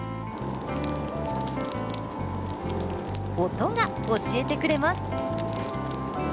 音が教えてくれます。